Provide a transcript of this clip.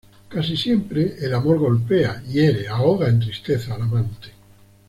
Casi siempre, el amor golpea, hiere, ahoga en tristeza al amante.